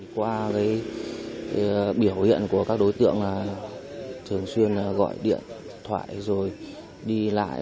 qua biểu hiện của các đối tượng là thường xuyên gọi điện thoại rồi đi lại